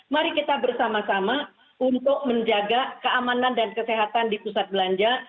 mari kita bersama sama untuk menjaga keamanan dan kesehatan di pusat belanja